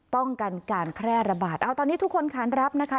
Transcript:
ป้องกันการแพร่ระบาดเอาตอนนี้ทุกคนขานรับนะคะ